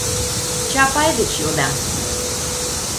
— Чапай деч йодам.